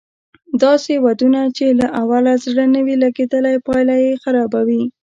داسې ودونه چې له اوله زړه نه وي لګېدلی پايله یې خرابه وي